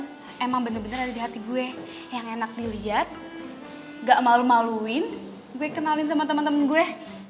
emang bener bener ada di hati gue yang enak dilihat gak malu maluin gue kenalin sama teman teman gue